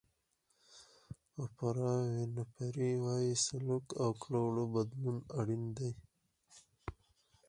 اوپرا وینفري وایي سلوک او کړو وړو بدلون اړین دی.